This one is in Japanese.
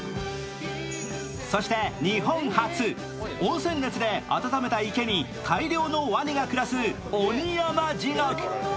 そして日本初、温泉熱で温めた池に大量のわにが暮らす鬼山地獄。